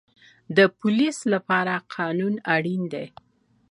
د پولیس لپاره قانون اړین دی